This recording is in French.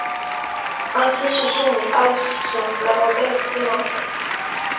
Ainsi, ce sont les Hawks qui ont l'avantage du terrain.